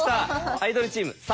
アイドルチーム「３」。